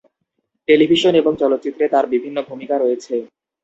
Television এবং চলচ্চিত্রে তার বিভিন্ন ভূমিকা রয়েছে।